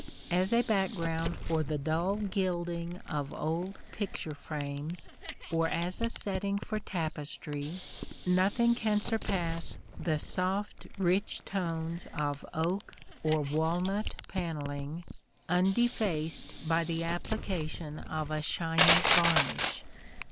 As a background for the dull gilding of old picture frames, or as a setting for tapestry, nothing can surpass the soft rich tones of oak or walnut panelling, undefaced by the application of a shiny varnish.